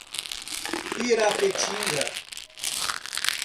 Pirapetinga